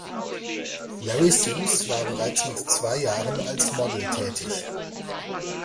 Larry Simms war bereits mit zwei Jahren als Model tätig.